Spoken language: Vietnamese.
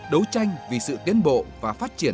đấu tranh vì sự tiến bộ và phát triển